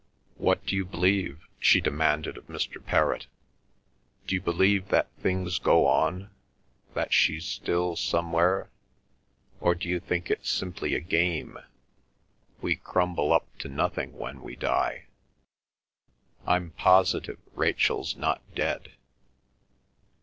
What d'you believe?" she demanded of Mr. Perrott. "D'you believe that things go on, that she's still somewhere—or d'you think it's simply a game—we crumble up to nothing when we die? I'm positive Rachel's not dead."